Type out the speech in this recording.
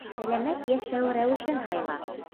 Сәләмәт йәшәү рәүешен һайла!